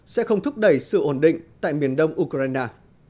sẽ không thúc đẩy sự ổn định tại miền đông ukraine